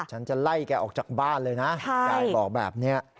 ฉันจะไล่แกออกจากบ้านเลยนะยายบอกแบบนี้